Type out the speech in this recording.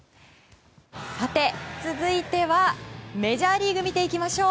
さて、続いてはメジャーリーグ見ていきましょう。